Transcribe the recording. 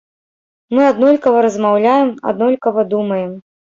Мы аднолькава размаўляем, аднолькава думаем.